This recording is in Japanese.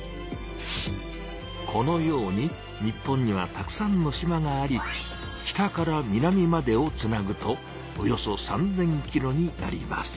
このように日本にはたくさんの島があり北から南までをつなぐとおよそ３０００ｋｍになります。